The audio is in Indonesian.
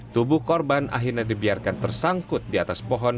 tubuh korban akhirnya dibiarkan tersangkut di atas pohon